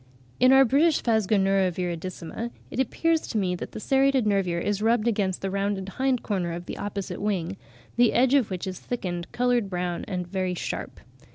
In our British Phasgonura viridissima it appeared to me that the serrated nervure is rubbed against the rounded hind corner of the opposite wing, the edge of which is thickened, coloured brown, and very sharp.